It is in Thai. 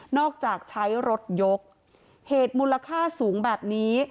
จากใช้รถยกเหตุมูลค่าสูงแบบนี้